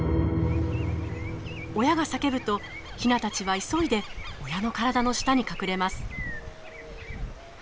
親が叫ぶとヒナたちは急いで親の体の下に隠れます。